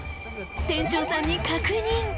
［店長さんに確認］